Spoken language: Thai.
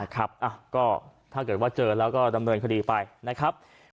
ก็ถ้าเกิดว่าเจอแล้วก็ดำเนินคดีไปนะครับ